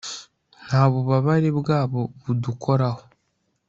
nta bubabare bwabo budukoraho